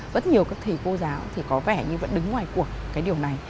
rất nhiều các thầy cô giáo thì có vẻ như vẫn đứng ngoài cuộc cái điều này